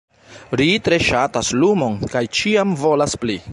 Ri tre ŝatas lumon, kaj ĉiam volas pli.